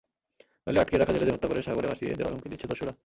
নইলে আটকে রাখা জেলেদের হত্যা করে সাগরে ভাসিয়ে দেওয়ার হুমকি দিচ্ছে দস্যুরা।